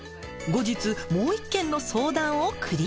後日もう１件の相談をクリア。